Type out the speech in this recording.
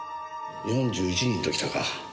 ４１人ときたか。